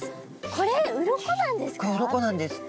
これウロコなんですか？